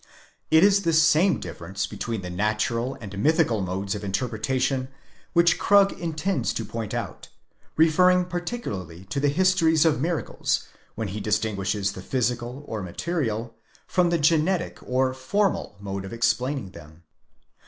It is this same difference between the natural and mythical modes of interpretation which Krug intends to point out, referring particularly to the histories of miracles, when he distinguishes the physical or material, from the genetic or formal, mode of explaining them.